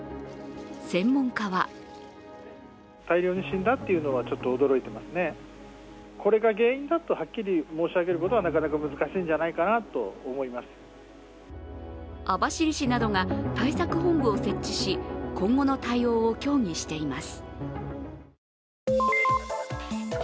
専門家は網走市などが対策本部を設置し、今後の対応を協議しています。